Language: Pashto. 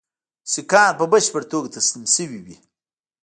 سیکهان په بشپړه توګه تسلیم شوي وي.